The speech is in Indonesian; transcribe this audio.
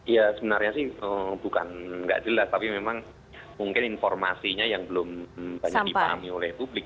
ya sebenarnya sih bukan nggak jelas tapi memang mungkin informasinya yang belum banyak dipahami oleh publik